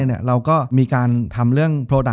จบการโรงแรมจบการโรงแรม